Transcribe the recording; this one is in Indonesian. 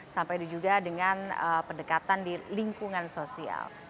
sampai juga dengan pendekatan di lingkungan sosial